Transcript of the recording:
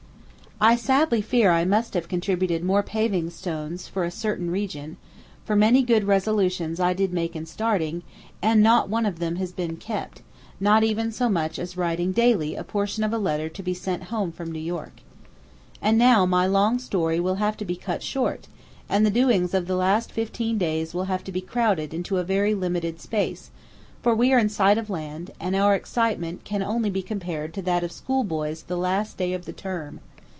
I sadly fear I must have contributed more paving stones for a certain region; for many good resolutions did I make in starting, and not one of them has been kept, not even so much as writing daily a portion of a letter to be sent home from New York. And now my long story will have to be cut short, and the doings of the last fifteen days will have to be crowded into a very limited space; for we are in sight of land, and our excitement can only be compared to that of school boys the last day of the term.